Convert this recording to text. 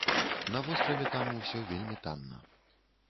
На востраве там усё вельмі танна.